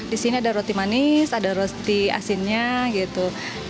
di sini ada roti manis ada roti asinnya gitu